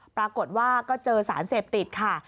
ปรากฏว่าก็เจอสารเสพติดค่ะ